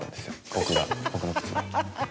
僕が僕の靴が。